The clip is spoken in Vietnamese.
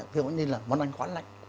ví dụ như là món ăn quá lạnh